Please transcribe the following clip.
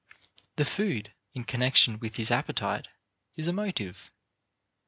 The food in connection with his appetite is a motive.